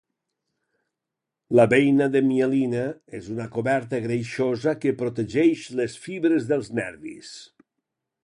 La beina de mielina és una coberta greixosa que protegeix les fibres dels nervis.